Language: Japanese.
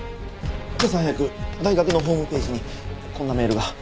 今朝早く大学のホームページにこんなメールが。